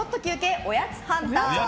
おやつハンター。